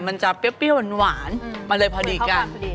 มันจะเปรี้ยวหวานมาเลยพอดีกัน